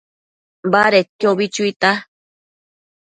Badedquio ubi chuita